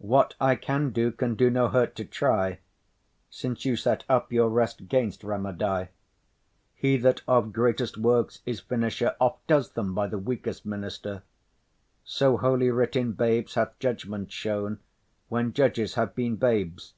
What I can do can do no hurt to try, Since you set up your rest 'gainst remedy. He that of greatest works is finisher Oft does them by the weakest minister. So holy writ in babes hath judgment shown, When judges have been babes.